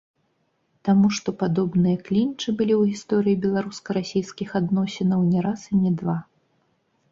Таму што падобныя клінчы былі ў гісторыі беларуска-расійскіх адносінаў не раз і не два.